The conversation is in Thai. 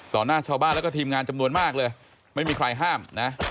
หน้าชาวบ้านแล้วก็ทีมงานจำนวนมากเลยไม่มีใครห้ามนะ